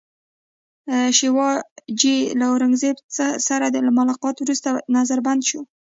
شیوا جي له اورنګزېب سره له ملاقاته وروسته نظربند شو.